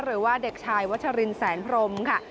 หรือว่าเด็กชายวัชรินแสนพรมค่ะ